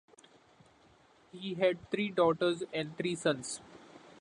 He had three daughters and three sons.